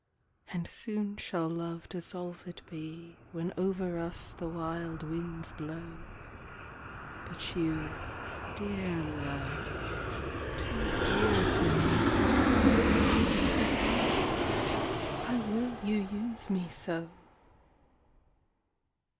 And soon shall love dissolved be When over us the wild winds blow— But you, dear love, too dear to me, Alas ! why will you use me so